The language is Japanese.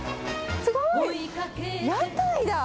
すごい！屋台だ。